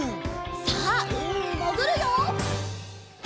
さあうみにもぐるよ！